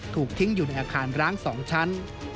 ถูกทิ้งอยู่ในอาคารร้าง๒ชั้น